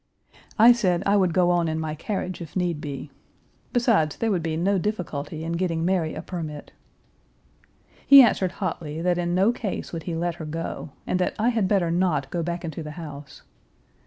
I said I would go on in my carriage if Page 312 need be. Besides, there would be no difficulty in getting Mary a "permit." He answered hotly that in no case would he let her go, and that I had better not go back into the house.